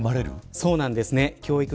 そうなんですね。